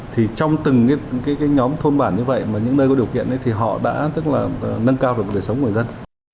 thì trong từng nhóm thôn bản như vậy mà những nơi có điều kiện ấy thì họ đã tức là nâng cao được đời sống người dân